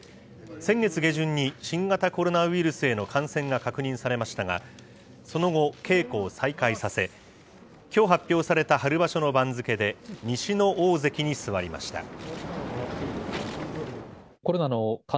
先月下旬に新型コロナウイルスへの感染が確認されましたが、その後、稽古を再開させ、きょう発表された春場所の番付で西の大関に座りました。